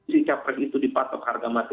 si capres itu dipatok harga mati